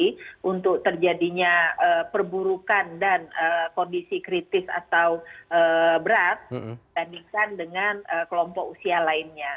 karena terjadinya perburukan dan kondisi kritis atau berat dibandingkan dengan kelompok usia lainnya